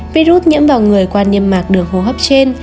virus nhiễm vào người qua niêm mạc đường hô hấp trên